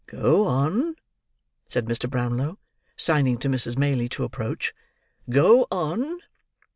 "Go on," said Mr. Brownlow, signing to Mrs. Maylie to approach. "Go on!"